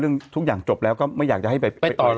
ทุกอย่างจบแล้วก็ไม่อยากจะให้ไปต่อ